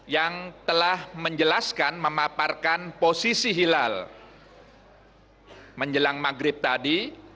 yang telah menjelaskan memaparkan posisi hilal menjelang maghrib tadi